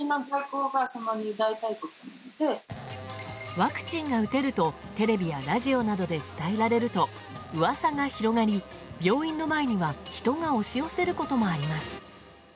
ワクチンが打てるとテレビやラジオなどで伝えられるとうわさが広がり病院の前には人が押し寄せることもあります。